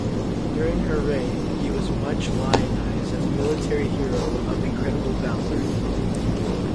During her reign he was much lionized as a military hero of incredible valor.